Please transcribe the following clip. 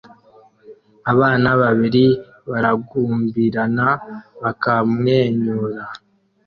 Abana babiri baragumbirana bakamwenyura